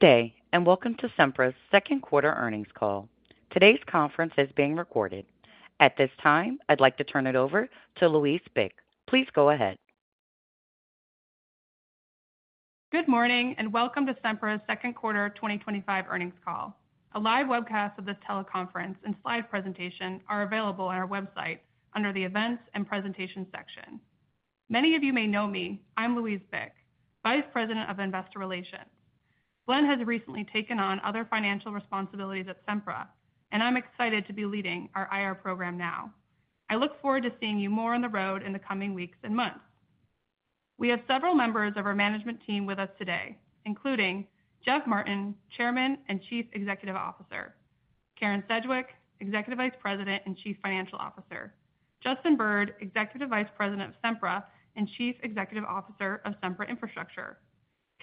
Today, and welcome to Sempra's second quarter earnings call. Today's conference is being recorded. At this time, I'd like to turn it over to Louise Bick. Please go ahead. Good morning, and welcome to Sempra's second quarter 2025 earnings call. A live webcast of this teleconference and slide presentation are available on our website under the Events and Presentations section. Many of you may know me. I'm Louise Bick, Vice President of Investor Relations. Glen has recently taken on other financial responsibilities at Sempra, and I'm excited to be leading our IR program now. I look forward to seeing you more on the road in the coming weeks and months. We have several members of our management team with us today, including Jeff Martin, Chairman and Chief Executive Officer, Karen Sedgwick, Executive Vice President and Chief Financial Officer, Justin Bird, Executive Vice President of Sempra and Chief Executive Officer of Sempra Infrastructure,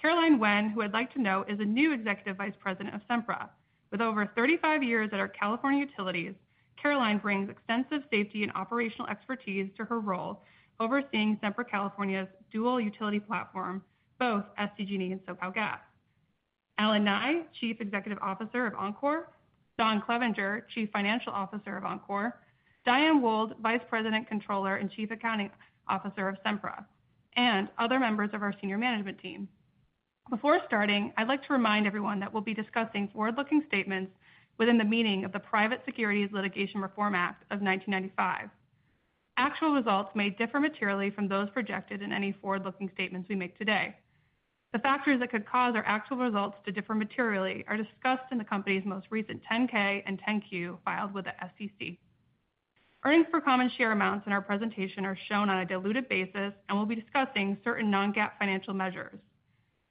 Caroline Winn, who I'd like to note is a new Executive Vice President of Sempra. With over 35 years at our California utilities, Caroline brings extensive safety and operational expertise to her role overseeing Sempra California's dual utility platform, both SDG&E and SoCal Gas. Allen Nye, Chief Executive Officer of Oncor, Don Clevenger, Chief Financial Officer of Oncor, Diane Wold, Vice President, Controller, and Chief Accounting Officer of Sempra, and other members of our senior management team. Before starting, I'd like to remind everyone that we'll be discussing forward-looking statements within the meaning of the Private Securities Litigation Reform Act of 1995. Actual results may differ materially from those projected in any forward-looking statements we make today. The factors that could cause our actual results to differ materially are discussed in the company's most recent 10-K and 10-Q filed with the SEC. Earnings-per-common share amounts in our presentation are shown on a diluted basis, and we'll be discussing certain non-GAAP financial measures.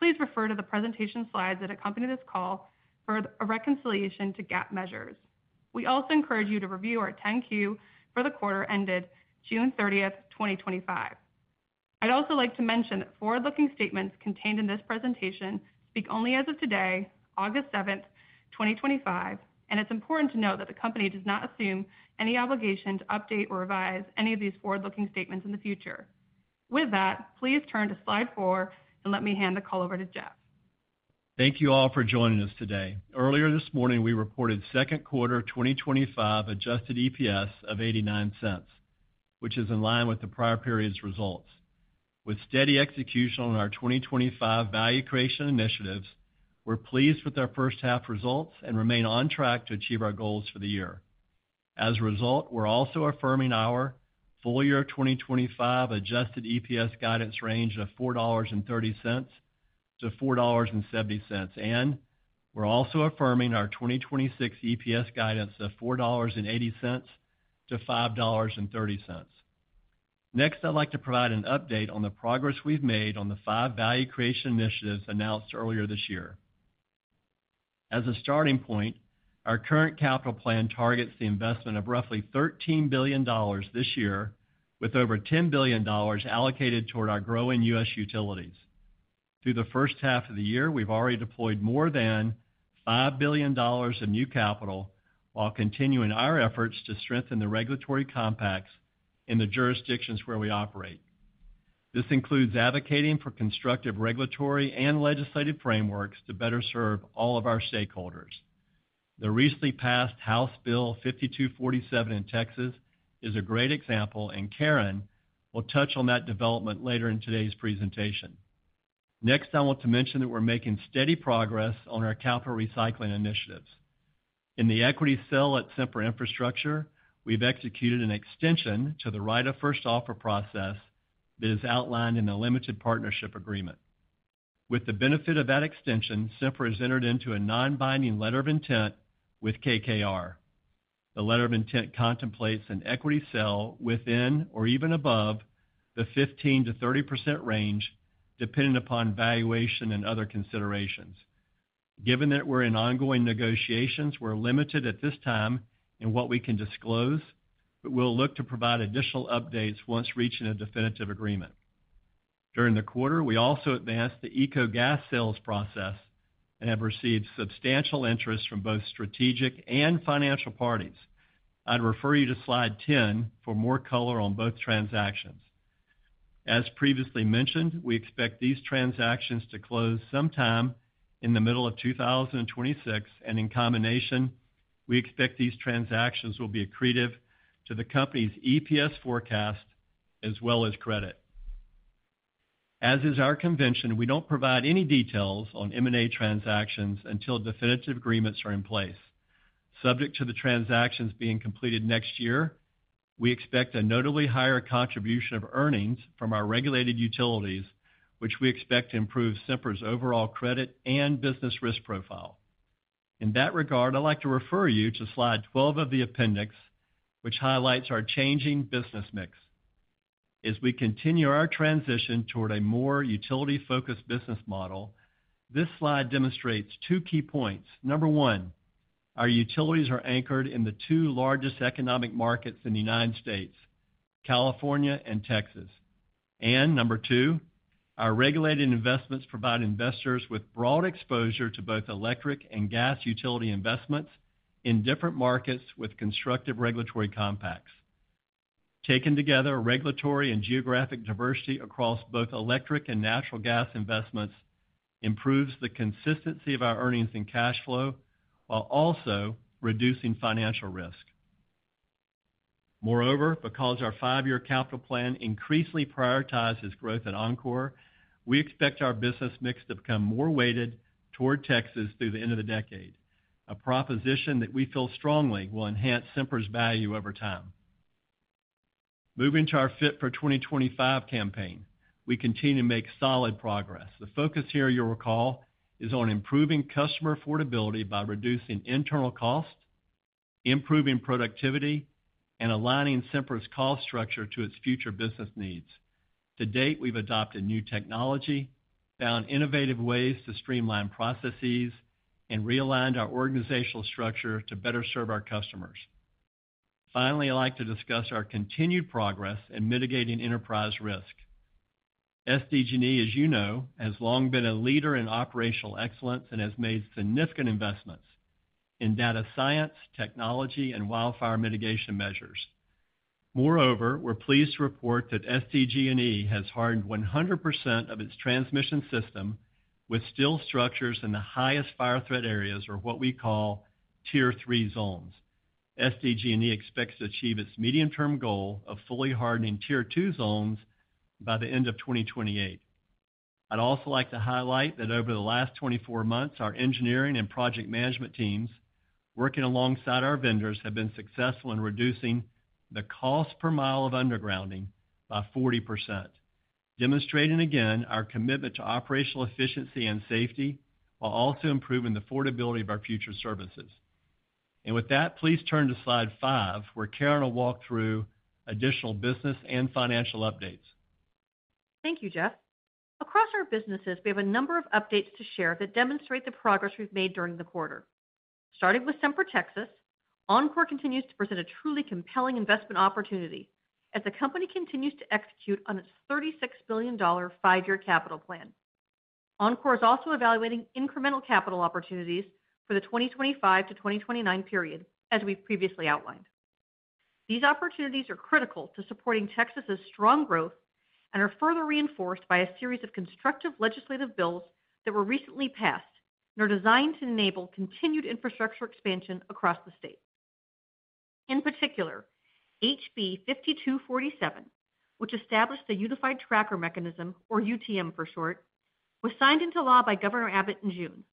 Please refer to the presentation slides that accompany this call for a reconciliation to GAAP measures. We also encourage you to review our 10-Q for the quarter ended June 30, 2025. I'd also like to mention that forward-looking statements contained in this presentation speak only as of today, August 7, 2025, and it's important to note that the company does not assume any obligation to update or revise any of these forward-looking statements in the future. With that, please turn to slide four and let me hand the call over to Jeff. Thank you all for joining us today. Earlier this morning, we reported second quarter 2025 adjusted EPS of $0.89, which is in line with the prior period's results. With steady execution on our 2025 value creation initiatives, we're pleased with our first half results and remain on track to achieve our goals for the year. As a result, we're also affirming our full-year 2025 adjusted EPS guidance range of $4.30-$4.70, and we're also affirming our 2026 EPS guidance of $4.80-$5.30. Next, I'd like to provide an update on the progress we've made on the five value creation initiatives announced earlier this year. As a starting point, our current capital plan targets the investment of roughly $13 billion this year, with over $10 billion allocated toward our growing U.S. utilities. Through the first half of the year, we've already deployed more than $5 billion in new capital, while continuing our efforts to strengthen the regulatory compacts in the jurisdictions where we operate. This includes advocating for constructive regulatory and legislative frameworks to better serve all of our stakeholders. The recently passed House Bill 5247 in Texas is a great example, and Karen will touch on that development later in today's presentation. Next, I want to mention that we're making steady progress on our capital recycling initiatives. In the equity sale at Sempra Infrastructure, we've executed an extension to the right-of-first-offer process that is outlined in the limited partnership agreement. With the benefit of that extension, Sempra has entered into a non-binding letter of intent with KKR. The letter of intent contemplates an equity sale within or even above the 15%-30% range, dependent upon valuation and other considerations. Given that we're in ongoing negotiations, we're limited at this time in what we can disclose, but we'll look to provide additional updates once reaching a definitive agreement. During the quarter, we also advanced the ECA LNG sales process and have received substantial interest from both strategic and financial parties. I'd refer you to slide 10 for more color on both transactions. As previously mentioned, we expect these transactions to close sometime in the middle of 2026, and in combination, we expect these transactions will be accretive to the company's EPS forecast as well as credit. As is our convention, we don't provide any details on M&A transactions until definitive agreements are in place. Subject to the transactions being completed next year, we expect a notably higher contribution of earnings from our regulated utilities, which we expect to improve Sempra's overall credit and business risk profile. In that regard, I'd like to refer you to slide 12 of the appendix, which highlights our changing business mix. As we continue our transition toward a more utility-focused business model, this slide demonstrates two key points. Number one, our utilities are anchored in the two largest economic markets in the United States, California and Texas. Number two, our regulated investments provide investors with broad exposure to both electric and gas utility investments in different markets with constructive regulatory compacts. Taken together, regulatory and geographic diversity across both electric and natural gas investments improves the consistency of our earnings and cash flow, while also reducing financial risk. Moreover, because our five-year capital plan increasingly prioritizes growth at Oncor, we expect our business mix to become more weighted toward Texas through the end of the decade, a proposition that we feel strongly will enhance Sempra's value over time. Moving to our Fit for 2025 campaign, we continue to make solid progress. The focus here, you'll recall, is on improving customer affordability by reducing internal costs, improving productivity, and aligning Sempra's cost structure to its future business needs. To date, we've adopted new technology, found innovative ways to streamline processes, and realigned our organizational structure to better serve our customers. Finally, I'd like to discuss our continued progress in mitigating enterprise risk. SDG&E, as you know, has long been a leader in operational excellence and has made significant investments in data science, technology, and wildfire mitigation measures. Moreover, we're pleased to report that SDG&E has hardened 100% of its transmission system with steel structures in the highest fire threat areas, or what we call Tier 3 zones. SDG&E expects to achieve its medium-term goal of fully hardening Tier 2 zones by the end of 2028. I'd also like to highlight that over the last 24 months, our engineering and project management teams working alongside our vendors have been successful in reducing the cost per mile of undergrounding by 40%, demonstrating again our commitment to operational efficiency and safety, while also improving the affordability of our future services. Please turn to slide five, where Karen will walk through additional business and financial updates. Thank you, Jeff. Across our businesses, we have a number of updates to share that demonstrate the progress we've made during the quarter. Starting with Sempra Texas, Oncor continues to present a truly compelling investment opportunity as the company continues to execute on its $36 billion five-year capital plan. Oncor is also evaluating incremental capital opportunities for the 2025 to 2029 period, as we've previously outlined. These opportunities are critical to supporting Texas's strong growth and are further reinforced by a series of constructive legislative bills that were recently passed and are designed to enable continued infrastructure expansion across the state. In particular, HB 5247, which established the Unified Tracker Mechanism, or UTM for short, was signed into law by Governor Abbott in June.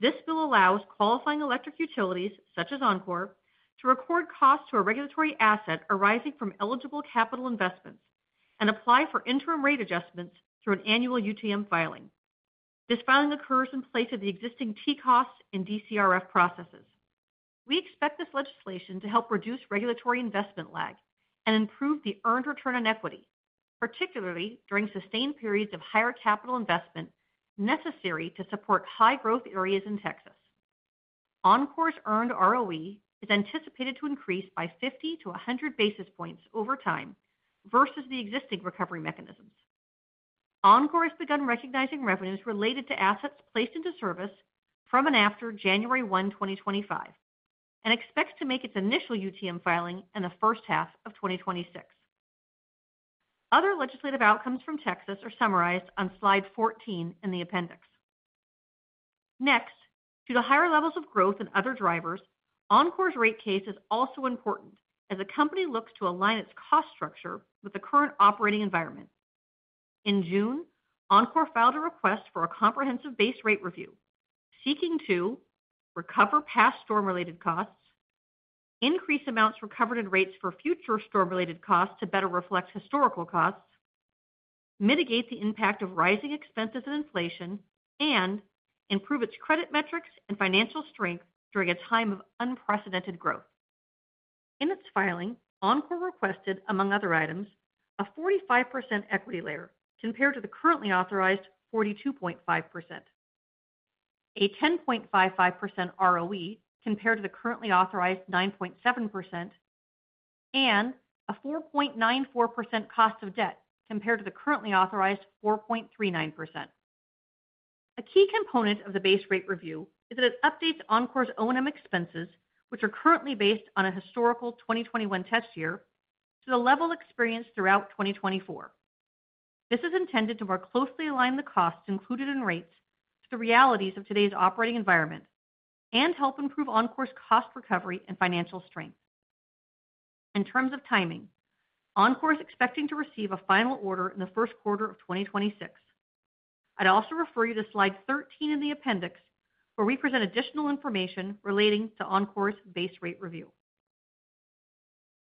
This bill allows qualifying electric utilities, such as Oncor, to record costs to a regulatory asset arising from eligible capital investments and apply for interim rate adjustments through an annual UTM filing. This filing occurs in place of the existing T-costs and DCRF processes. We expect this legislation to help reduce regulatory investment lag and improve the earned return on equity, particularly during sustained periods of higher capital investment necessary to support high-growth areas in Texas. Oncor's earned ROE is anticipated to increase by 50-100 basis points over time versus the existing recovery mechanisms. Oncor has begun recognizing revenues related to assets placed into service from and after January 1, 2025, and expects to make its initial UTM filing in the first half of 2026. Other legislative outcomes from Texas are summarized on slide 14 in the appendix. Next, due to higher levels of growth and other drivers, Oncor's rate case is also important as the company looks to align its cost structure with the current operating environment. In June, Oncor filed a request for a comprehensive base rate review, seeking to recover past storm-related costs, increase amounts recovered in rates for future storm-related costs to better reflect historical costs, mitigate the impact of rising expenses and inflation, and improve its credit metrics and financial strength during a time of unprecedented growth. In its filing, Oncor requested, among other items, a 45% equity layer compared to the currently authorized 42.5%, a 10.55% ROE compared to the currently authorized 9.7%, and a 4.94% cost of debt compared to the currently authorized 4.39%. A key component of the base rate review is that it updates Oncor's O&M expenses, which are currently based on a historical 2021 tax year, to the level experienced throughout 2024. This is intended to more closely align the costs included in rates to the realities of today's operating environment and help improve Oncor's cost recovery and financial strength. In terms of timing, Oncor is expecting to receive a final order in the first quarter of 2026. I'd also refer you to slide 13 in the appendix, where we present additional information relating to Oncor's base rate review.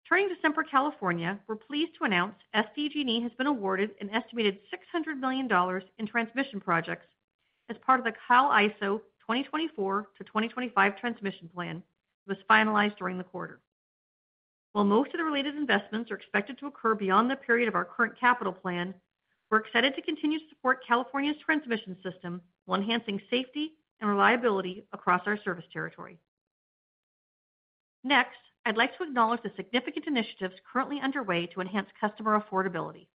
Turning to Sempra California, we're pleased to announce SDG&E has been awarded an estimated $600 million in transmission projects as part of the CAISO 2024 to 2025 transmission plan that was finalized during the quarter. While most of the related investments are expected to occur beyond the period of our current capital plan, we're excited to continue to support California's transmission system while enhancing safety and reliability across our service territory. Next, I'd like to acknowledge the significant initiatives currently underway to enhance customer affordability.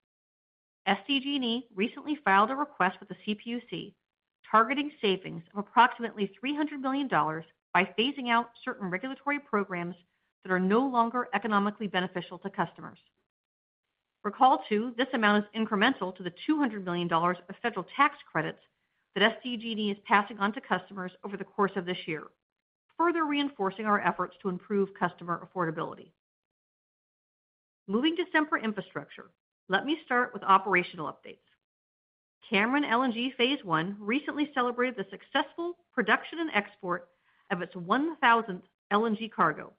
SDG&E recently filed a request with the CPUC targeting savings of approximately $300 million by phasing out certain regulatory programs that are no longer economically beneficial to customers. Recall, too, this amount is incremental to the $200 million of federal tax credits that SDG&E is passing on to customers over the course of this year, further reinforcing our efforts to improve customer affordability. Moving to Sempra Infrastructure, let me start with operational updates. Cameron LNG Phase 1 recently celebrated the successful production and export of its 1,000th LNG cargo,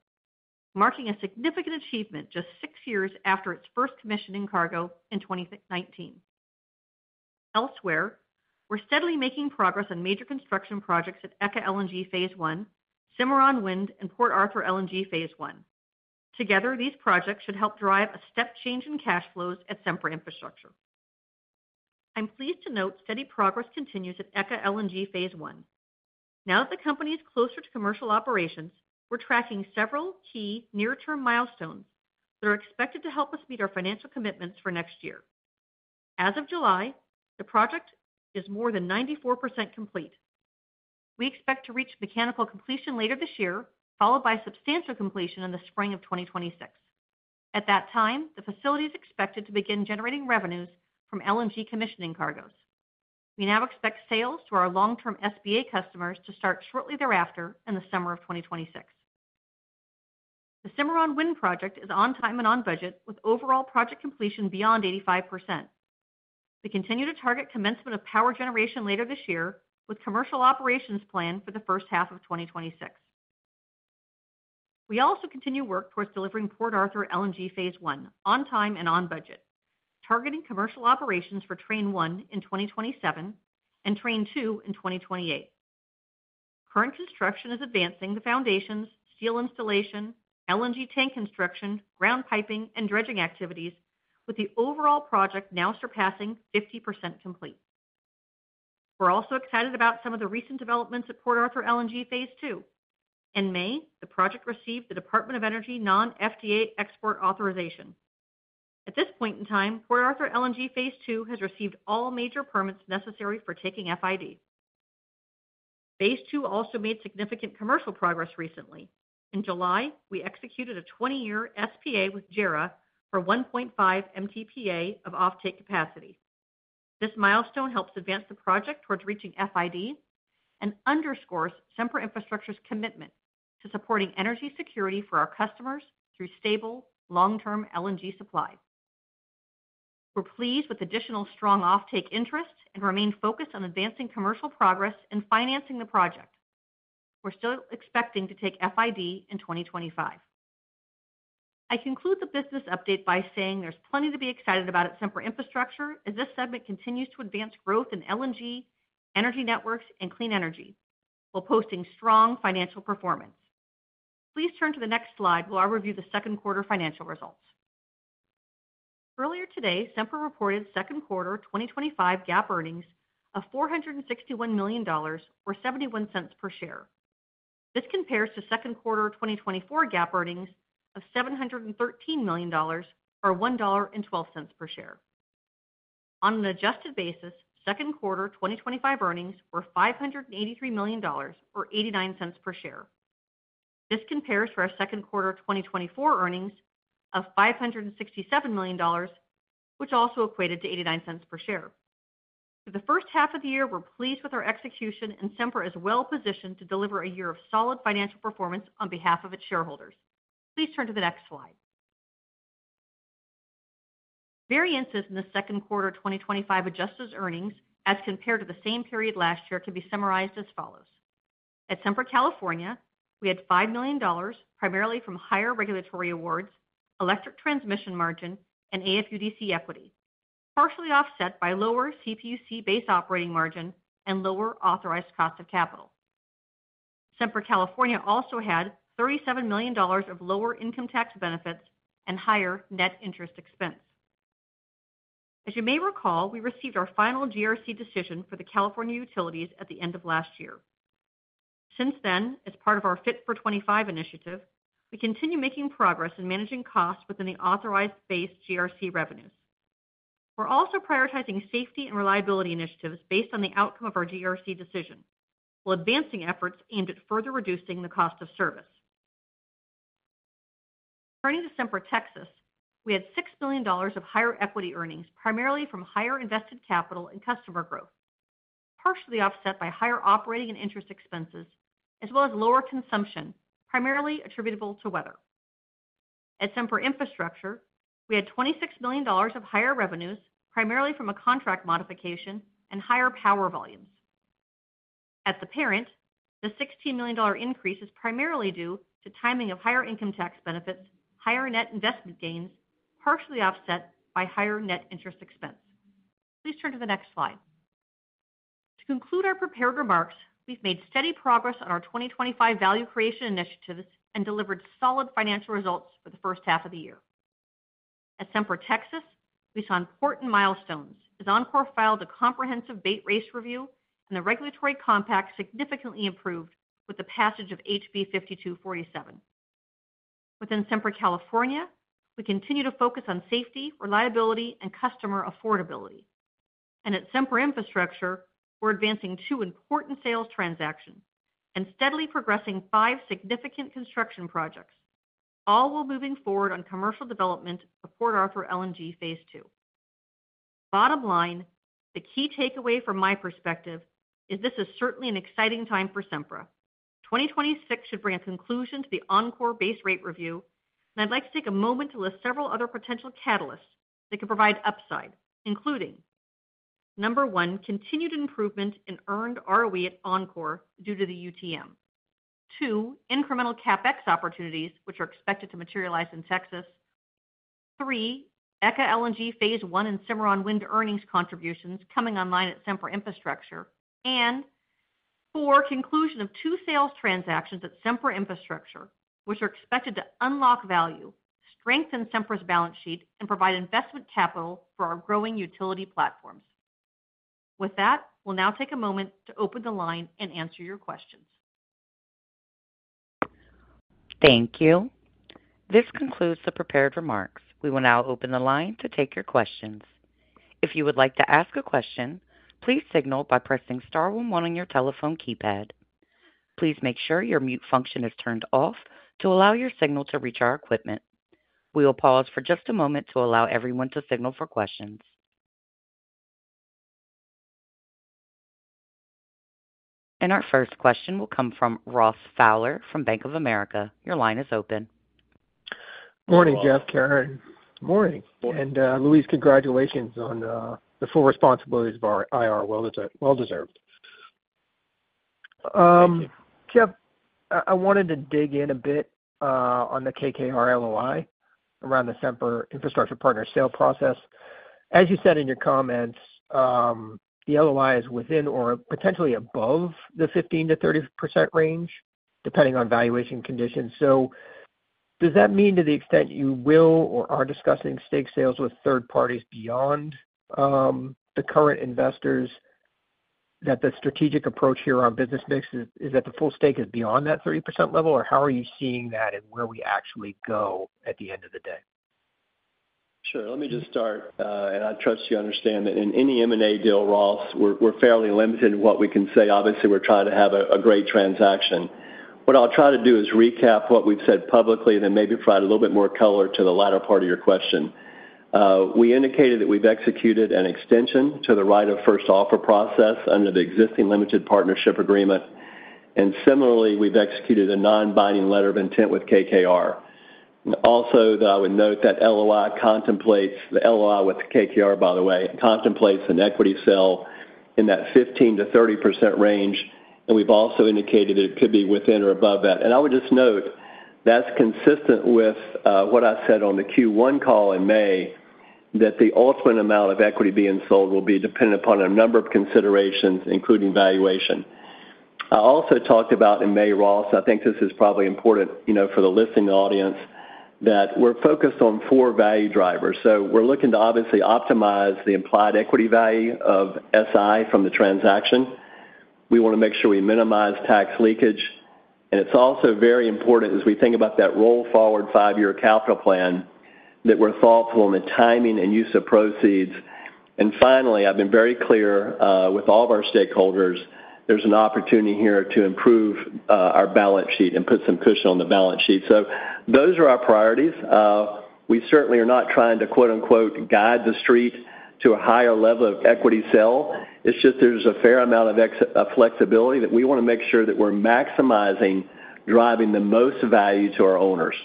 marking a significant achievement just six years after its first commissioning cargo in 2019. Elsewhere, we're steadily making progress on major construction projects at ECA LNG Phase 1, Cimarron Wind, and Port Arthur LNG Phase 1. Together, these projects should help drive a step change in cash flows at Sempra Infrastructure. I'm pleased to note steady progress continues at ECA LNG Phase 1. Now that the company is closer to commercial operations, we're tracking several key near-term milestones that are expected to help us meet our financial commitments for next year. As of July, the project is more than 94% complete. We expect to reach mechanical completion later this year, followed by substantial completion in the spring of 2026. At that time, the facility is expected to begin generating revenues from LNG commissioning cargos. We now expect sales to our long-term SPA customers to start shortly thereafter in the summer of 2026. The Cimarron Wind project is on time and on budget, with overall project completion beyond 85%. We continue to target commencement of power generation later this year, with a commercial operations plan for the first half of 2026. We also continue work towards delivering Port Arthur LNG Phase 1 on time and on budget, targeting commercial operations for train one in 2027 and train two in 2028. Current construction is advancing the foundations, steel installation, LNG tank construction, ground piping, and dredging activities, with the overall project now surpassing 50% complete. We're also excited about some of the recent developments at Port Arthur LNG Phase 2. In May, the project received the Department of Energy non-FTA export authorization. At this point in time, Port Arthur LNG Phase 2 has received all major permits necessary for taking FID. Phase 2 also made significant commercial progress recently. In July, we executed a 20-year SPA with JERA for 1.5 MTPA of offtake capacity. This milestone helps advance the project towards reaching FID and underscores Sempra Infrastructure's commitment to supporting energy security for our customers through stable, long-term LNG supply. We're pleased with additional strong offtake interest and remain focused on advancing commercial progress and financing the project. We're still expecting to take FID in 2025. I conclude the business update by saying there's plenty to be excited about at Sempra Infrastructure as this segment continues to advance growth in LNG, energy networks, and clean energy while posting strong financial performance. Please turn to the next slide where I'll review the second quarter financial results. Earlier today, Sempra reported second quarter 2025 GAAP earnings of $461 million, or $0.71 per share. This compares to second quarter 2024 GAAP earnings of $713 million, or $1.12 per share. On an adjusted basis, second quarter 2025 earnings were $583 million, or $0.89 per share. This compares to our second quarter 2024 earnings of $567 million, which also equated to $0.89 per share. For the first half of the year, we're pleased with our execution, and Sempra is well positioned to deliver a year of solid financial performance on behalf of its shareholders. Please turn to the next slide. Variances in the second quarter 2025 adjusted earnings as compared to the same period last year can be summarized as follows. At Sempra California, we had $5 million primarily from higher regulatory awards, electric transmission margin, and AFUDC equity, partially offset by lower CPUC base operating margin and lower authorized cost of capital. Sempra California also had $37 million of lower income tax benefits and higher net interest expense. As you may recall, we received our final GRC decision for the California utilities at the end of last year. Since then, as part of our Fit for 25 initiative, we continue making progress in managing costs within the authorized base GRC revenues. We're also prioritizing safety and reliability initiatives based on the outcome of our GRC decision, while advancing efforts aimed at further reducing the cost of service. Turning to Sempra Texas, we had $6 million of higher equity earnings primarily from higher invested capital and customer growth, partially offset by higher operating and interest expenses, as well as lower consumption, primarily attributable to weather. At Sempra Infrastructure, we had $26 million of higher revenues primarily from a contract modification and higher power volumes. At the parent, the $16 million increase is primarily due to timing of higher income tax benefits, higher net investment gains, partially offset by higher net interest expense. Please turn to the next slide. To conclude our prepared remarks, we've made steady progress on our 2025 value creation initiatives and delivered solid financial results for the first half of the year. At Sempra Texas, we saw important milestones as Oncor filed a comprehensive base rate review and the regulatory compacts significantly improved with the passage of HB 5247. Within Sempra California, we continue to focus on safety, reliability, and customer affordability. At Sempra Infrastructure, we're advancing two important sales transactions and steadily progressing five significant construction projects, all while moving forward on commercial development of Port Arthur LNG Phase 2. the bottom line, the key takeaway from my perspective is this is certainly an exciting time for Sempra. 2026 should bring a conclusion to the Oncor base rate review, and I'd like to take a moment to list several other potential catalysts that could provide upside, including: number one, continued improvement in earned ROE at Oncor due to the UTM. Two, incremental CapEx opportunities which are expected to materialize in Texas. Three, ECA LNG Phase 1 and Cimarron Wind earnings contributions coming online at Sempra Infrastructure. Four, conclusion of two sales transactions at Sempra Infrastructure, which are expected to unlock value, strengthen Sempra's balance sheet, and provide investment capital for our growing utility platforms. With that, we'll now take a moment to open the line and answer your questions. Thank you. This concludes the prepared remarks. We will now open the line to take your questions. If you would like to ask a question, please signal by pressing star one one on your telephone keypad. Please make sure your mute function is turned off to allow your signal to reach our equipment. We will pause for just a moment to allow everyone to signal for questions. Our first question will come from Ross Fowler from Bank of America. Your line is open. Morning, Jeff. Karen. Morning. Louise, congratulations on the full responsibilities of our IR. Well deserved. Jeff, I wanted to dig in a bit on the KKR LOI around the Sempra Infrastructure Partners sale process. As you said in your comments, the LOI is within or potentially above the 15% to 30% range, depending on valuation conditions. Does that mean to the extent you will or are discussing stake sales with third parties beyond the current investors, that the strategic approach here on business mix is that the full stake is beyond that 30% level, or how are you seeing that and where we actually go at the end of the day? Sure. Let me just start, and I trust you understand that in any M&A deal, Ross, we're fairly limited in what we can say. Obviously, we're trying to have a great transaction. What I'll try to do is recap what we've said publicly and then maybe provide a little bit more color to the latter part of your question. We indicated that we've executed an extension to the right-of-first-offer process under the existing limited partnership agreement. Similarly, we've executed a non-binding letter of intent with KKR. I would note that the LOI with KKR, by the way, contemplates an equity sale in that 15%-30% range. We've also indicated that it could be within or above that. I would just note that's consistent with what I said on the Q1 call in May, that the ultimate amount of equity being sold will be dependent upon a number of considerations, including valuation. I also talked about in May, Ross, and I think this is probably important for the listening audience, that we're focused on four value drivers. We're looking to obviously optimize the implied equity value of Sempra Infrastructure from the transaction. We want to make sure we minimize tax leakage. It's also very important as we think about that roll-forward five-year capital plan that we're thoughtful in the timing and use of proceeds. Finally, I've been very clear with all of our stakeholders, there's an opportunity here to improve our balance sheet and put some cushion on the balance sheet. Those are our priorities. We certainly are not trying to, quote unquote, guide the street to a higher level of equity sale. There's a fair amount of flexibility that we want to make sure that we're maximizing, driving the most value to our owners.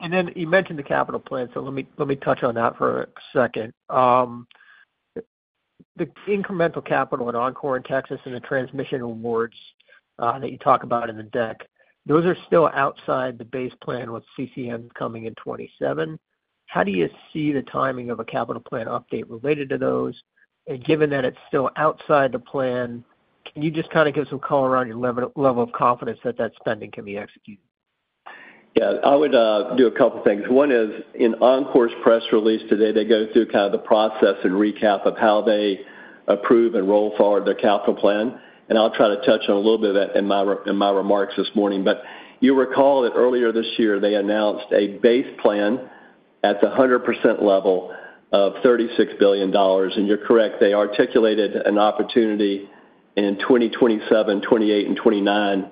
You mentioned the capital plan, so let me touch on that for a second. The incremental capital in Oncor in Texas and the transmission awards that you talk about in the deck are still outside the base plan with CCM coming in 2027. How do you see the timing of a capital plan update related to those? Given that it's still outside the plan, can you just kind of give us a call around your level of confidence that that spending can be executed? Yeah, I would do a couple of things. One is in Oncor's press release today, they go through kind of the process and recap of how they approve and roll forward their capital plan. I'll try to touch on a little bit of that in my remarks this morning. You recall that earlier this year, they announced a base plan at the 100% level of $36 billion. You're correct, they articulated an opportunity in 2027, 2028, and 2029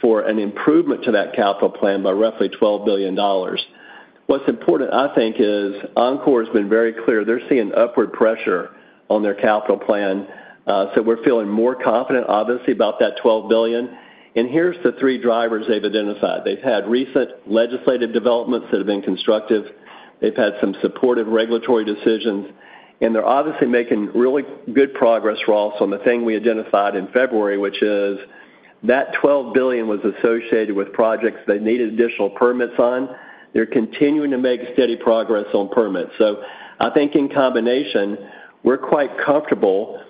for an improvement to that capital plan by roughly $12 billion. What's important, I think, is Oncor's been very clear. They're seeing upward pressure on their capital plan. We're feeling more confident, obviously, about that $12 billion. Here are the three drivers they've identified. They've had recent legislative developments that have been constructive. They've had some supportive regulatory decisions. They're obviously making really good progress, Ross, on the thing we identified in February, which is that $12 billion was associated with projects they needed additional permits on. They're continuing to make steady progress on permits. I think in combination, we're quite comfortable,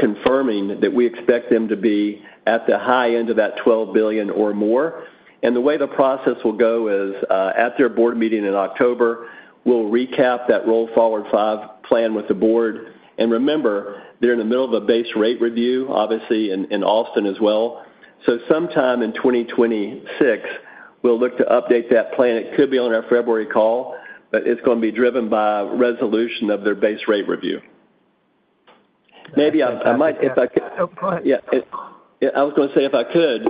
confirming that we expect them to be at the high end of that $12 billion or more. The way the process will go is, at their board meeting in October, we'll recap that roll-forward five plan with the board. Remember, they're in the middle of a base rate review, obviously, in Austin as well. Sometime in 2026, we'll look to update that plan. It could be on our February call, but it's going to be driven by resolution of their base rate review. Maybe I might, if I could, yeah, I was going to say, if I could,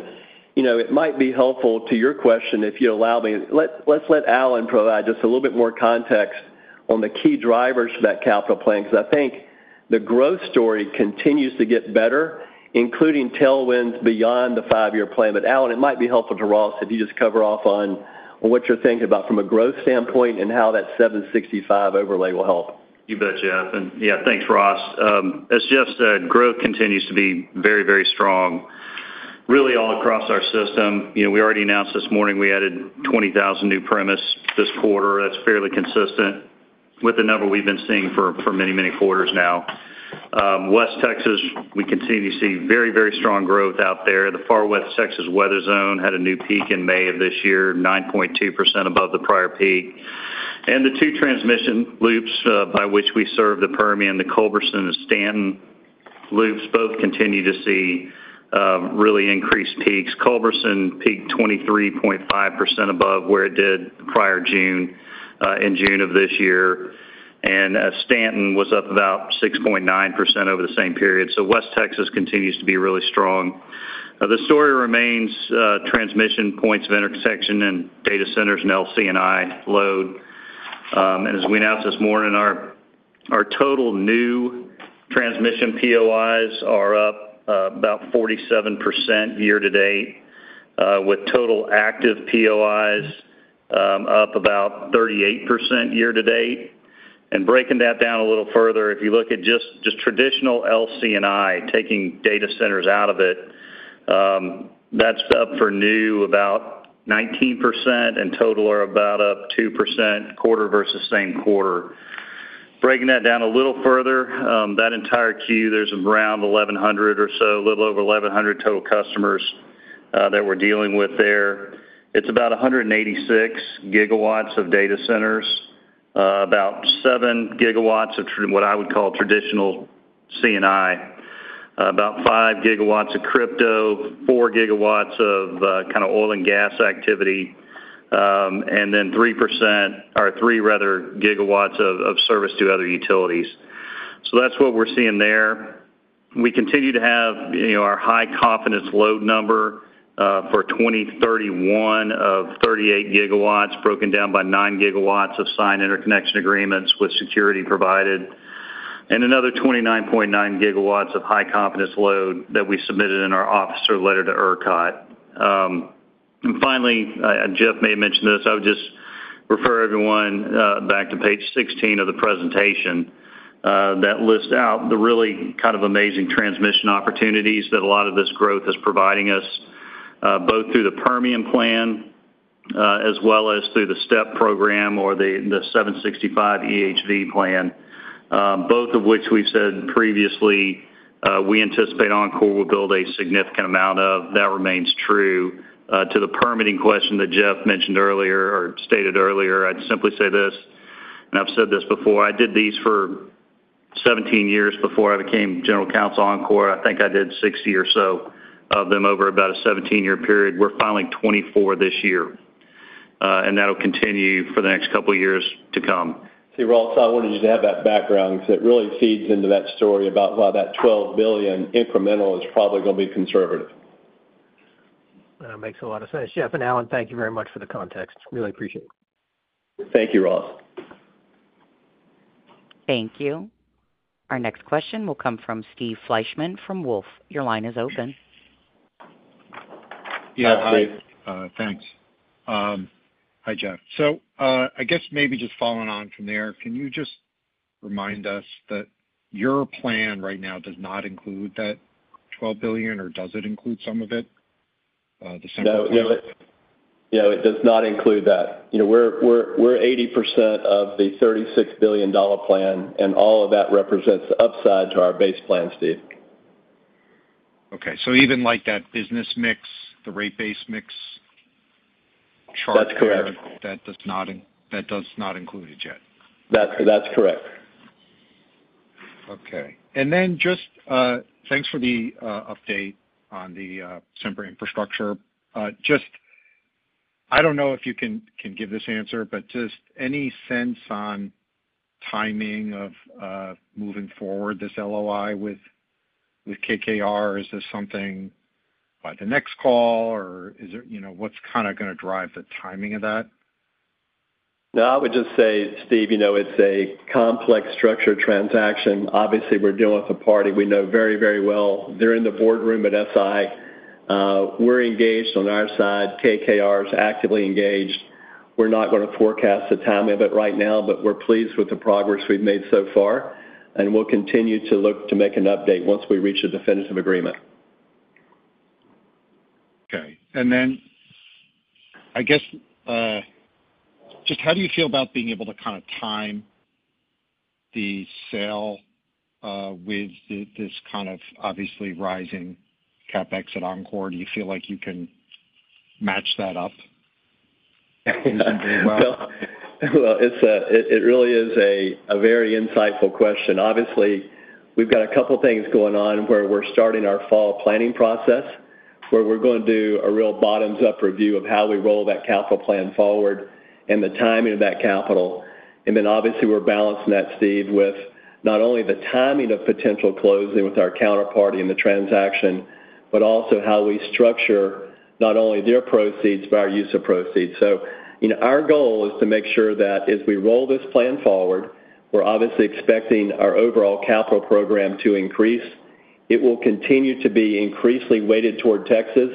you know, it might be helpful to your question if you'd allow me. Let's let Allen provide just a little bit more context on the key drivers for that capital plan because I think the growth story continues to get better, including tailwinds beyond the five-year plan. Allen, it might be helpful to Ross if you just cover off on what you're thinking about from a growth standpoint and how that 765 overlay will help. Thank you for that, Jeff. Yeah, thanks, Ross. As Jeff said, growth continues to be very, very strong, really all across our system. We already announced this morning we added 20,000 new premises this quarter. That's fairly consistent with the number we've been seeing for many, many quarters now. West Texas, we continue to see very, very strong growth out there. The far West Texas weather zone had a new peak in May of this year, 9.2% above the prior peak. The two transmission loops by which we serve the Permian, the Culbertson and Stanton loops, both continue to see really increased peaks. Culbertson peaked 23.5% above where it did the prior June in June of this year. Stanton was up about 6.9% over the same period. West Texas continues to be really strong. The story remains transmission points of interconnection and data centers and LCNI load. As we announced this morning, our total new transmission POIs are up about 47% year to date, with total active POIs up about 38% year to date. Breaking that down a little further, if you look at just traditional LCNI, taking data centers out of it, that's up for new about 19% and total are about up 2% quarter versus same quarter. Breaking that down a little further, that entire queue, there's around 1,100 or so, a little over 1,100 total customers that we're dealing with there. It's about 186 GW of data centers, about seven GW of what I would call traditional CNI, about five GW of crypto, four GW of kind of oil and gas activity, and then 3% or three rather GW of service to other utilities. That's what we're seeing there. We continue to have our high confidence load number for 2031 of 38 GW broken down by 9 GW of signed interconnection agreements with security provided, and another 29.9 GW of high confidence load that we submitted in our officer letter to ERCOT. Finally, Jeff may have mentioned this, I would just refer everyone back to page 16 of the presentation that lists out the really kind of amazing transmission opportunities that a lot of this growth is providing us, both through the Permian plan as well as through the STEP program or the 765 EHV plan, both of which we've said previously we anticipate Oncor will build a significant amount of. That remains true. To the permitting question that Jeff mentioned earlier or stated earlier, I'd simply say this, and I've said this before, I did these for 17 years before I became General Counsel Oncor. I think I did 60 or so of them over about a 17-year period. We're filing 24 this year, and that'll continue for the next couple of years to come. See, Ross, I wanted you to have that background because it really feeds into that story about why that $12 billion incremental is probably going to be conservative. That makes a lot of sense. Jeff and Allen, thank you very much for the context. Really appreciate it. Thank you, Ross. Thank you. Our next question will come from Steve Fleishman from Wolfe. Your line is open. Yeah, hi. Thanks. Hi, Jeff. I guess maybe just following on from there, can you just remind us that your plan right now does not include that $12 billion, or does it include some of it? The Sempra plan? Yeah, it does not include that. You know, we're 80% of the $36 billion plan, and all of that represents the upside to our base plan, Steve. Okay. Even like that business mix, the rate-based mix, Charlotte Square, that does not include it yet. That's correct. Okay. Thanks for the update on the Sempra Infrastructure. I don't know if you can give this answer, but any sense on timing of moving forward this LOI with KKR? Is this something by the next call, or is it, you know, what's going to drive the timing of that? No, I would just say, Steve, you know, it's a complex structured transaction. Obviously, we're dealing with a party we know very, very well. They're in the boardroom at Sempra Infrastructure. We're engaged on our side. KKR is actively engaged. We're not going to forecast the timing of it right now, but we're pleased with the progress we've made so far. We will continue to look to make an update once we reach a definitive agreement. Okay. How do you feel about being able to kind of time the sale with this kind of obviously rising CapEx at Oncor? Do you feel like you can match that up efficiently? That really is a very insightful question. Obviously, we've got a couple of things going on where we're starting our fall planning process, where we're going to do a real bottoms-up review of how we roll that capital plan forward and the timing of that capital. Obviously, we're balancing that, Steve, with not only the timing of potential closing with our counterparty in the transaction, but also how we structure not only their proceeds, but our use of proceeds. Our goal is to make sure that as we roll this plan forward, we're obviously expecting our overall capital program to increase. It will continue to be increasingly weighted toward Texas.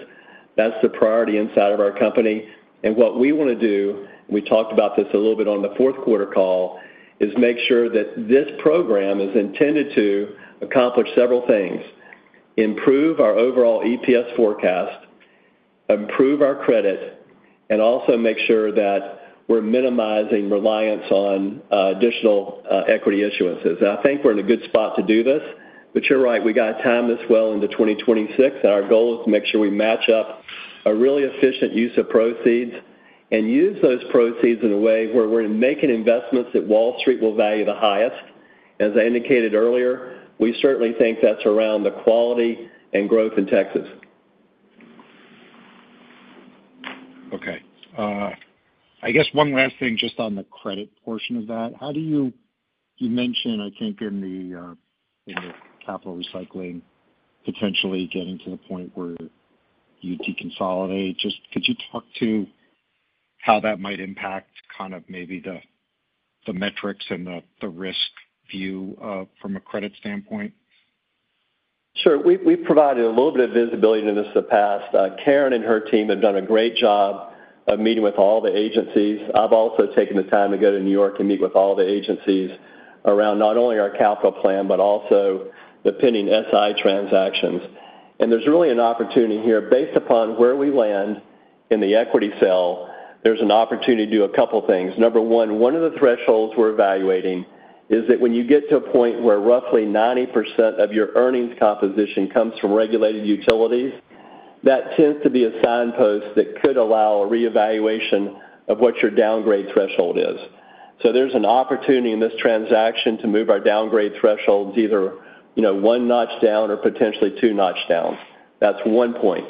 That's the priority inside of our company. What we want to do, we talked about this a little bit on the fourth quarter call, is make sure that this program is intended to accomplish several things: improve our overall EPS forecast, improve our credit, and also make sure that we're minimizing reliance on additional equity issuances. I think we're in a good spot to do this, but you're right. We got to time this well into 2026, and our goal is to make sure we match up a really efficient use of proceeds and use those proceeds in a way where we're making investments that Wall Street will value the highest. As I indicated earlier, we certainly think that's around the quality and growth in Texas. Okay. I guess one last thing just on the credit portion of that. How do you, you mentioned, I think, in the capital recycling, potentially getting to the point where you de-consolidate. Could you talk to how that might impact the metrics and the risk view from a credit standpoint? Sure. We've provided a little bit of visibility to this in the past. Karen and her team have done a great job of meeting with all the agencies. I've also taken the time to go to New York and meet with all the agencies around not only our capital plan, but also the pending Sempra Infrastructure transactions. There's really an opportunity here based upon where we land in the equity sale. There's an opportunity to do a couple of things. Number one, one of the thresholds we're evaluating is that when you get to a point where roughly 90% of your earnings composition comes from regulated utilities, that tends to be a signpost that could allow a reevaluation of what your downgrade threshold is. There's an opportunity in this transaction to move our downgrade thresholds either, you know, one notch down or potentially two notch downs. That's one point.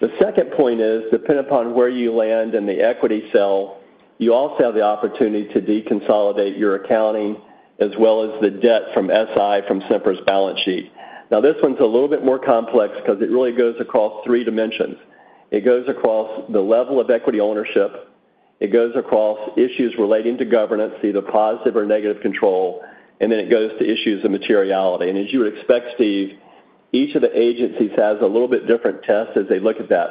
The second point is, depending upon where you land in the equity sale, you also have the opportunity to de-consolidate your accounting as well as the debt from Sempra Infrastructure from Sempra's balance sheet. This one's a little bit more complex because it really goes across three dimensions. It goes across the level of equity ownership. It goes across issues relating to governance, either positive or negative control. It goes to issues of materiality. As you would expect, Steve, each of the agencies has a little bit different tests as they look at that.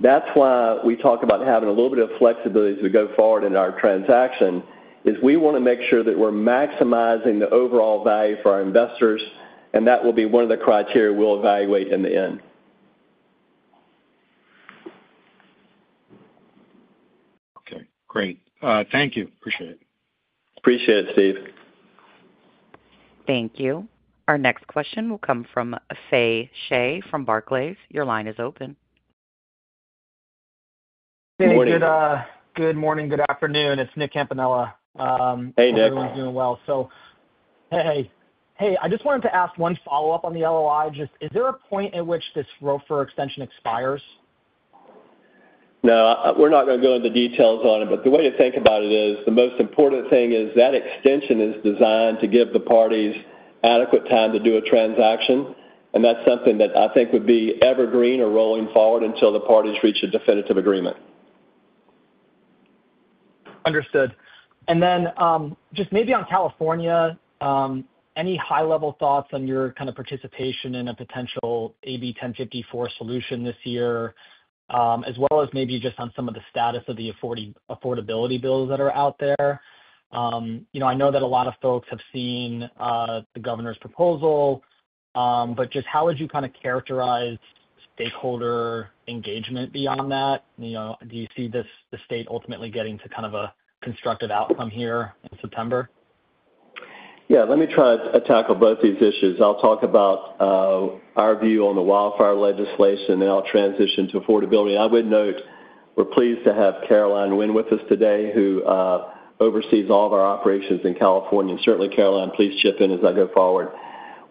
That's why we talk about having a little bit of flexibility as we go forward in our transaction, we want to make sure that we're maximizing the overall value for our investors. That will be one of the criteria we'll evaluate in the end. Okay. Great. Thank you. Appreciate it. Appreciate it, Steve. Thank you. Our next question will come from Fei Shay from Barclays. Your line is open. Hey, good morning, good afternoon. It's Nick Campanella. Hey, Nick. Everyone's doing well. I just wanted to ask one follow-up on the LOI. Is there a point at which this ROFR extension expires? No, we're not going to go into the details on it, but the way to think about it is the most important thing is that extension is designed to give the parties adequate time to do a transaction. That's something that I think would be evergreen or rolling forward until the parties reach a definitive agreement. Understood. Just maybe on California, any high-level thoughts on your kind of participation in a potential AB 1054 solution this year, as well as maybe just on some of the status of the affordability bills that are out there? I know that a lot of folks have seen the governor's proposal, but just how would you kind of characterize stakeholder engagement beyond that? Do you see the state ultimately getting to kind of a constructive outcome here in September? Yeah, let me try to tackle both these issues. I'll talk about our view on the wildfire legislation, and I'll transition to affordability. I would note we're pleased to have Caroline Winn with us today, who oversees all of our operations in California. Certainly, Caroline, please chip in as I go forward.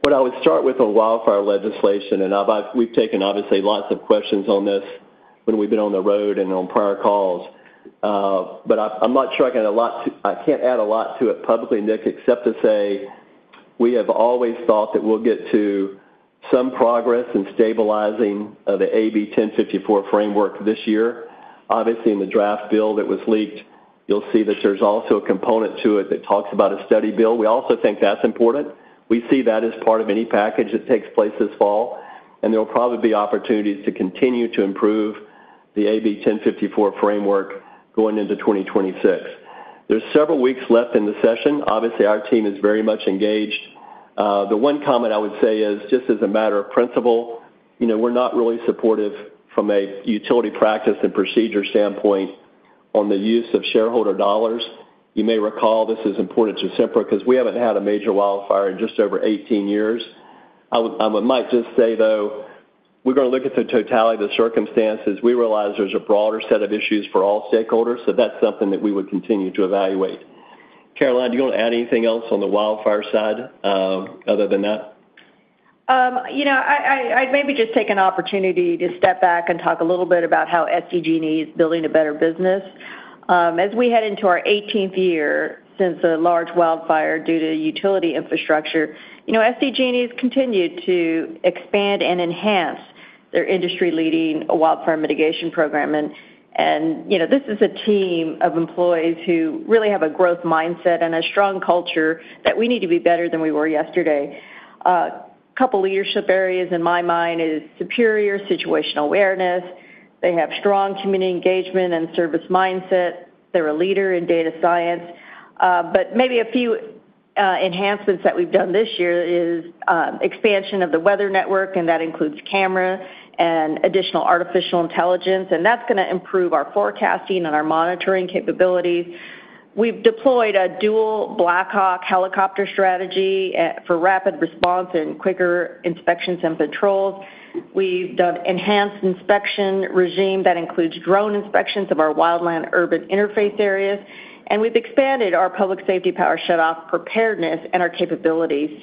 What I would start with, a wildfire legislation, and we've taken obviously lots of questions on this when we've been on the road and on prior calls. I'm not sure I can add a lot. I can't add a lot to it publicly, Nick, except to say we have always thought that we'll get to some progress in stabilizing the AB 1054 framework this year. Obviously, in the draft bill that was leaked, you'll see that there's also a component to it that talks about a study bill. We also think that's important. We see that as part of any package that takes place this fall. There will probably be opportunities to continue to improve the AB 1054 framework going into 2026. There's several weeks left in the session. Obviously, our team is very much engaged. The one comment I would say is just as a matter of principle, you know, we're not really supportive from a utility practice and procedure standpoint on the use of shareholder dollars. You may recall this is important to Sempra because we haven't had a major wildfire in just over 18 years. I might just say, though, we're going to look at the totality of the circumstances. We realize there's a broader set of issues for all stakeholders. That's something that we would continue to evaluate. Caroline, do you want to add anything else on the wildfire side other than that? You know, I'd maybe just take an opportunity to step back and talk a little bit about how SDG&E is building a better business. As we head into our 18th year since a large wildfire due to utility infrastructure, SDG&E has continued to expand and enhance their industry-leading wildfire mitigation program. This is a team of employees who really have a growth mindset and a strong culture that we need to be better than we were yesterday. A couple of leadership areas in my mind are superior situational awareness. They have strong community engagement and service mindset. They're a leader in data science. Maybe a few enhancements that we've done this year are expansion of the weather network, and that includes camera and additional artificial intelligence. That's going to improve our forecasting and our monitoring capabilities. We've deployed a dual Blackhawk helicopter strategy for rapid response and quicker inspections and patrols. We've done an enhanced inspection regime that includes drone inspections of our wildland urban interface areas. We've expanded our public safety power shutoff preparedness and our capabilities.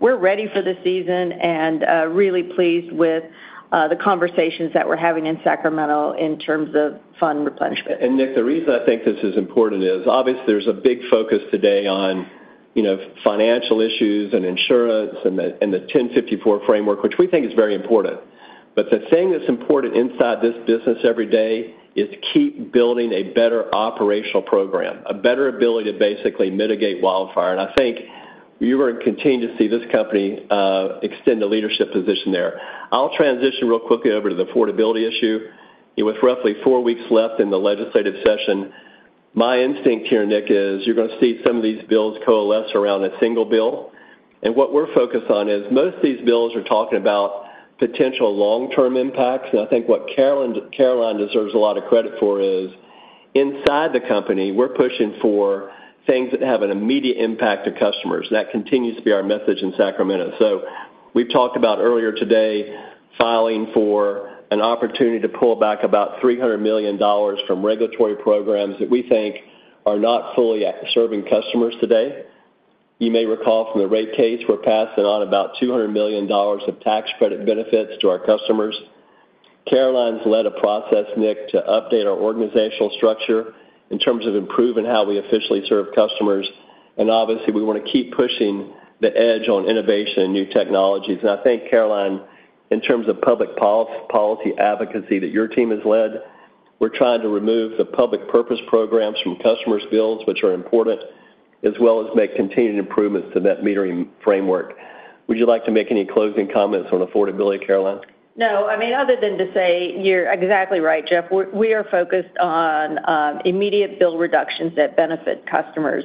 We're ready for the season and really pleased with the conversations that we're having in Sacramento in terms of fund replenishment. Nick, the reason I think this is important is obviously there's a big focus today on, you know, financial issues and insurance and the AB 1054 framework, which we think is very important. The thing that's important inside this business every day is to keep building a better operational program, a better ability to basically mitigate wildfire. I think you're going to continue to see this company extend the leadership position there. I'll transition real quickly over to the affordability issue. With roughly four weeks left in the legislative session, my instinct here, Nick, is you're going to see some of these bills coalesce around a single bill. What we're focused on is most of these bills are talking about potential long-term impacts. I think what Caroline deserves a lot of credit for is inside the company, we're pushing for things that have an immediate impact to customers. That continues to be our message in Sacramento. We've talked about earlier today filing for an opportunity to pull back about $300 million from regulatory programs that we think are not fully serving customers today. You may recall from the rate case we're passing on about $200 million of tax credit benefits to our customers. Caroline's led a process, Nick, to update our organizational structure in terms of improving how we officially serve customers. Obviously, we want to keep pushing the edge on innovation and new technologies. I think, Caroline, in terms of public policy advocacy that your team has led, we're trying to remove the public purpose programs from customers' bills, which are important, as well as make continued improvements to that metering framework. Would you like to make any closing comments on affordability, Caroline? No. I mean, other than to say you're exactly right, Jeff. We are focused on immediate bill reductions that benefit customers.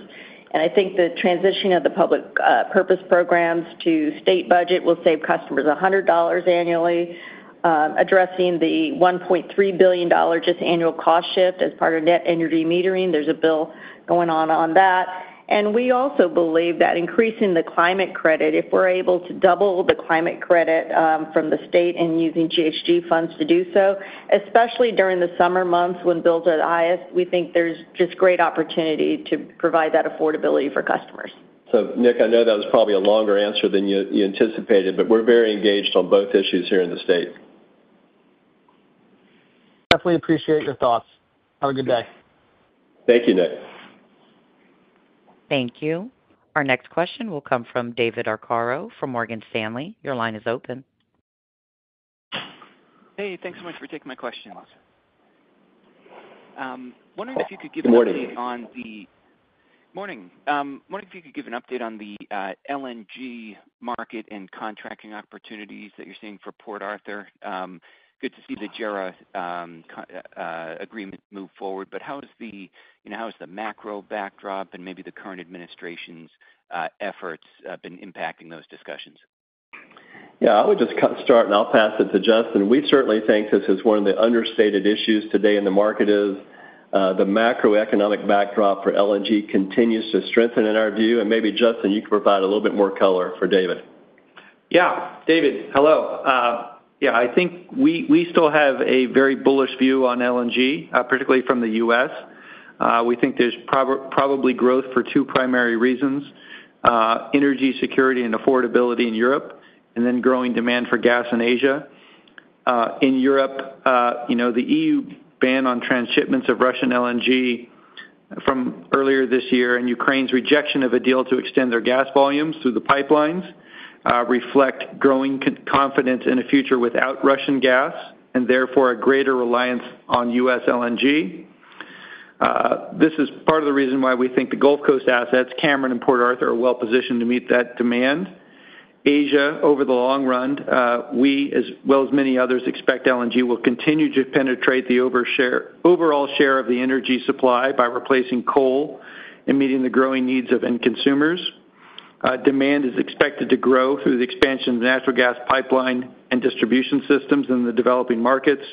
I think the transition of the public purpose programs to state budget will save customers $100 annually. Addressing the $1.3 billion annual cost shift as part of net energy metering, there's a bill going on on that. We also believe that increasing the climate credit, if we're able to double the climate credit from the state and using GHG funds to do so, especially during the summer months when bills are the highest, we think there's just great opportunity to provide that affordability for customers. Nick, I know that was probably a longer answer than you anticipated, but we're very engaged on both issues here in the state. Definitely appreciate your thoughts. Have a good day. Thank you, Nick. Thank you. Our next question will come from David Arcaro from Morgan Stanley. Your line is open. Hey, thanks so much for taking my questions. Wondering if you could give an update on the LNG market and contracting opportunities that you're seeing for Port Arthur. Good to see the JERA agreement move forward, but how has the macro backdrop and maybe the current administration's efforts been impacting those discussions? I would just start, and I'll pass it to Justin. We certainly think this is one of the understated issues today in the market. The macroeconomic backdrop for LNG continues to strengthen in our view. Maybe, Justin, you can provide a little bit more color for David. Yeah, David, hello. I think we still have a very bullish view on LNG, particularly from the U.S. We think there's probably growth for two primary reasons: energy security and affordability in Europe, and then growing demand for gas in Asia. In Europe, the EU ban on transshipments of Russian LNG from earlier this year and Ukraine's rejection of a deal to extend their gas volumes through the pipelines reflect growing confidence in a future without Russian gas and therefore a greater reliance on U.S. LNG. This is part of the reason why we think the Gulf Coast assets, Cameron and Port Arthur are well positioned to meet that demand. Asia, over the long run, we, as well as many others, expect LNG will continue to penetrate the overall share of the energy supply by replacing coal and meeting the growing needs of end consumers. Demand is expected to grow through the expansion of the natural gas pipeline and distribution systems in the developing markets.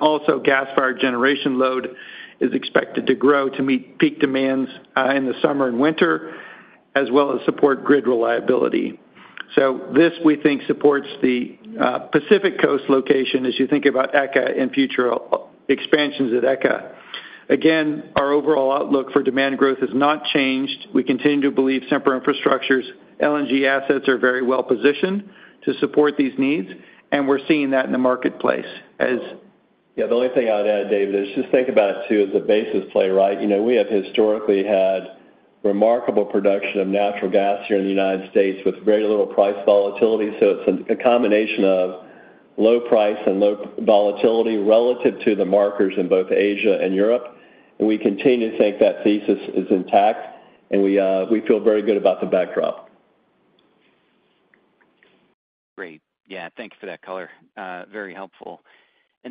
Also, gas-fired generation load is expected to grow to meet peak demands in the summer and winter, as well as support grid reliability. This, we think, supports the Pacific Coast location as you think about ECA and future expansions at ECA. Again, our overall outlook for demand growth has not changed. We continue to believe Sempra Infrastructure's LNG assets are very well positioned to support these needs, and we're seeing that in the marketplace as... The only thing I'd add, David, is just think about it too, the basis play, right? We have historically had remarkable production of natural gas here in the U.S. with very little price volatility. It's a combination of low price and low volatility relative to the markers in both Asia and Europe. We continue to think that thesis is intact, and we feel very good about the backdrop. Great. Thank you for that color. Very helpful. I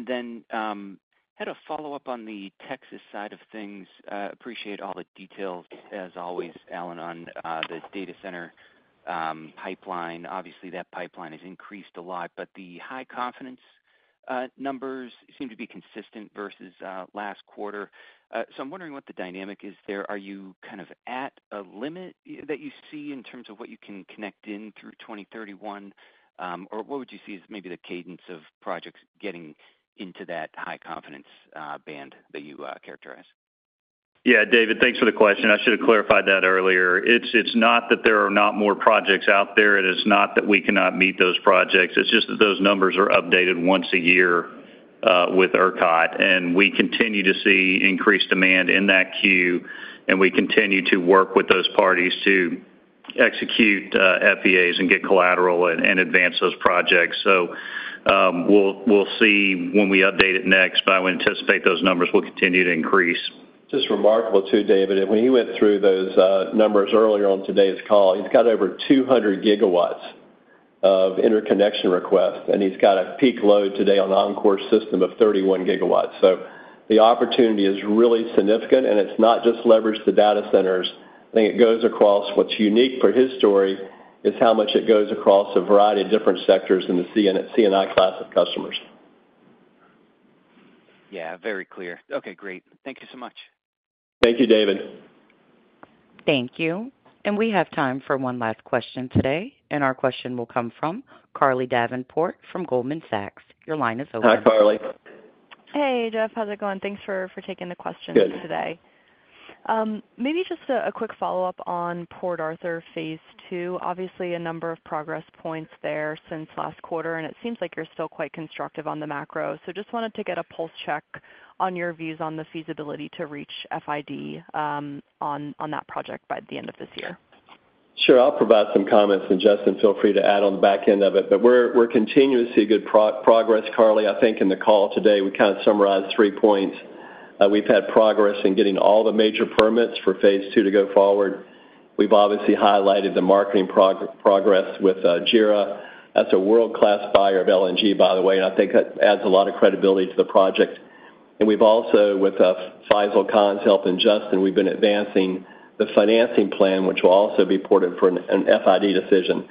had a follow-up on the Texas side of things. Appreciate all the details, as always, Allen, on the data center pipeline. Obviously, that pipeline has increased a lot, but the high confidence numbers seem to be consistent versus last quarter. I'm wondering what the dynamic is there. Are you kind of at a limit that you see in terms of what you can connect in through 2031, or what would you see as maybe the cadence of projects getting into that high confidence band that you characterize? Yeah, David, thanks for the question. I should have clarified that earlier. It's not that there are not more projects out there. It is not that we cannot meet those projects. It's just that those numbers are updated once a year with ERCOT, and we continue to see increased demand in that queue, and we continue to work with those parties to execute FEAs and get collateral and advance those projects. We'll see when we update it next, but I would anticipate those numbers will continue to increase. It's remarkable too, David. When he went through those numbers earlier on today's call, he's got over 200 GW of interconnection requests, and he's got a peak load today on the Oncor system of 31 GW. The opportunity is really significant, and it's not just leveraged to data centers. I think it goes across what's unique for his story is how much it goes across a variety of different sectors in the CNI class of customers. Yeah, very clear. Okay, great. Thank you so much. Thank you, David. Thank you. We have time for one last question today, and our question will come from Carly Davenport from Goldman Sachs. Your line is open. Hi, Carly. Hey, Jeff. How's it going? Thanks for taking the question today. Maybe just a quick follow-up on Port Arthur Phase 2. Obviously, a number of progress points there since last quarter, and it seems like you're still quite constructive on the macro. I just wanted to get a pulse check on your views on the feasibility to reach FID on that project by the end of this year. Sure. I'll provide some comments, and Justin, feel free to add on the back end of it. We're continuing to see good progress, Carly. I think in the call today, we kind of summarized three points. We've had progress in getting all the major permits for Phase 2 to go forward. We've obviously highlighted the marketing progress with JERA. That's a world-class buyer of LNG, by the way, and I think that adds a lot of credibility to the project. We've also, with Faisel Khan, Zelt, and Justin, been advancing the financing plan, which will also be important for an FID decision.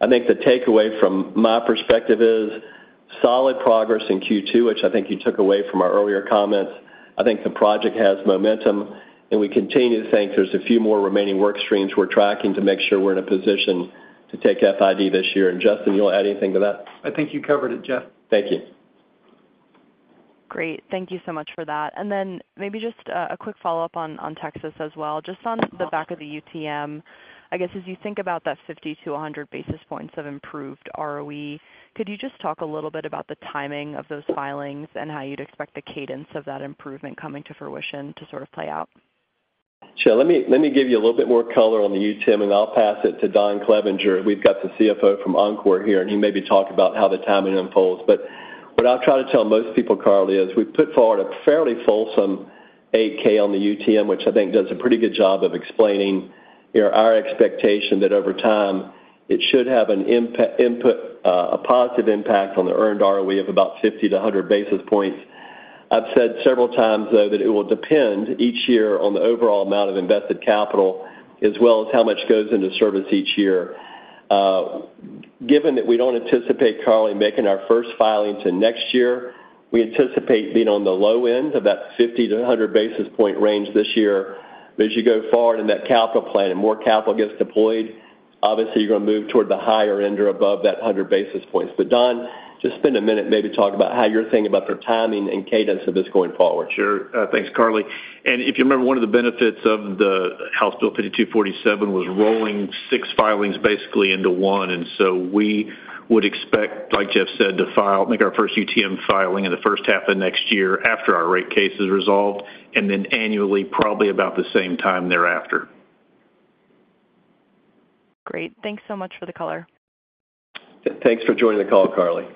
I think the takeaway from my perspective is solid progress in Q2, which I think you took away from our earlier comments. The project has momentum, and we continue to think there's a few more remaining work streams we're tracking to make sure we're in a position to take FID this year. Justin, you'll add anything to that? I think you covered it, Jeff. Thank you. Great. Thank you so much for that. Maybe just a quick follow-up on Texas as well. Just on the back of the UTM, I guess as you think about that 50-100 basis points of improved ROE, could you just talk a little bit about the timing of those filings and how you'd expect the cadence of that improvement coming to fruition to sort of play out? Sure. Let me give you a little bit more color on the UTM, and I'll pass it to Don Clevenger. We've got the CFO from Oncor here, and he may be talking about how the timing unfolds. What I'll try to tell most people, Carly, is we've put forward a fairly fulsome 8-K on the UTM, which I think does a pretty good job of explaining our expectation that over time it should have an input, a positive impact on the earned ROE of about 50-100 basis points. I've said several times, though, that it will depend each year on the overall amount of invested capital, as well as how much goes into service each year. Given that we don't anticipate currently making our first filing until next year, we anticipate being on the low end of that 50-100 basis point range this year. As you go forward in that capital plan and more capital gets deployed, obviously you're going to move toward the higher end or above that 100 basis points. Don, just spend a minute maybe talking about how you're thinking about the timing and cadence of this going forward. Sure. Thanks, Carly. If you remember, one of the benefits of House Bill 5247 was rolling six filings basically into one. We would expect, like Jeff said, to make our first UTM filing in the first half of next year after our rate case is resolved, and then annually probably about the same time thereafter. Great. Thanks so much for the color. Thanks for joining the call, Carly.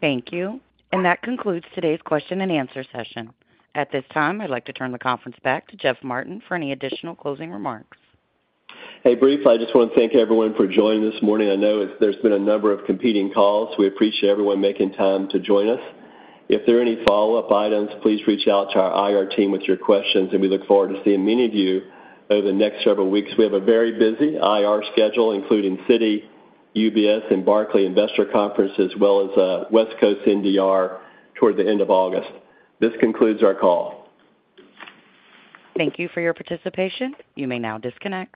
Thank you. That concludes today's question and answer session. At this time, I'd like to turn the conference back to Jeff Martin for any additional closing remarks. Hey, briefly, I just want to thank everyone for joining this morning. I know there's been a number of competing calls. We appreciate everyone making time to join us. If there are any follow-up items, please reach out to our IR team with your questions, and we look forward to seeing many of you over the next several weeks. We have a very busy IR schedule, including Citi, UBS, and Barclays investor conferences, as well as a West Coast NDR toward the end of August. This concludes our call. Thank you for your participation. You may now disconnect.